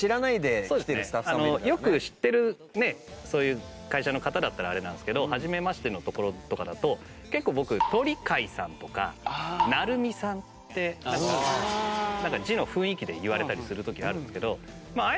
よく知ってるねそういう会社の方だったらあれなんですけどはじめましてのところとかだと結構僕鳥飼さんとか鳴海さんって字の雰囲気で言われたりする時あるんですけどまあ